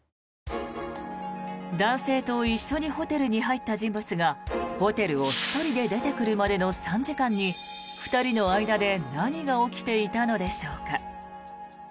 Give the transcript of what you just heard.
男性と一緒にホテルに入った人物がホテルを１人で出てくるまでの３時間に２人の間で何が起きていたのでしょうか。